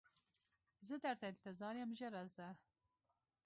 زه درته انتظار یم ژر راځه